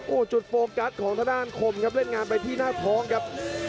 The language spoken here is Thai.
โอ้โหจุดโฟกัสของทางด้านคมครับเล่นงานไปที่หน้าท้องครับ